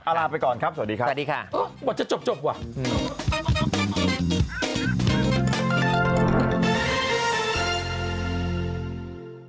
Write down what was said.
เอาล่ะไปก่อนครับสวัสดีครับวันจะจบว่ะสวัสดีค่ะ